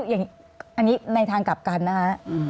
อันนี้ในทางกลับกันนะฮะ